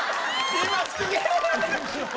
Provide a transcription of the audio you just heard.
今すげえ。